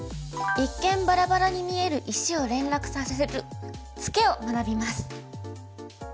一見バラバラに見える石を連絡させるツケを学びます。